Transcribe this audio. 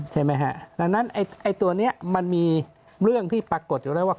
ดังนั้นตัวนี้มันมีเรื่องที่ปรากฏอยู่แล้วว่า